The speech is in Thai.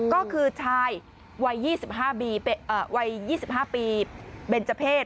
ก็คือชายวัย๒๕ปีเบรจเพศ